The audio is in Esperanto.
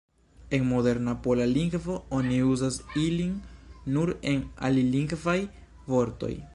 En moderna pola lingvo oni uzas ilin nur en alilingvaj vortoj.